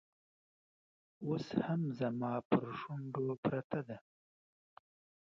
اوس هم زما پر شونډو پرته ده